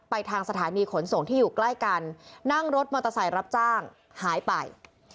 ทางสถานีขนส่งที่อยู่ใกล้กันนั่งรถมอเตอร์ไซค์รับจ้างหายไป